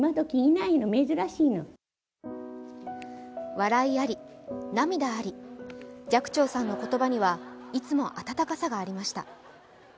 笑いあり、涙あり、寂聴さんの言葉にはいつも温かさがありました。